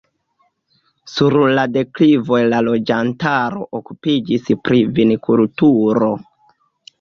Sur la deklivoj la loĝantaro okupiĝis pri vinkulturo.